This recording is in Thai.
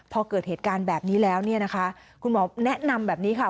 พอเกิดเหตุการณ์แบบนี้แล้วเนี่ยนะคะคุณหมอแนะนำแบบนี้ค่ะ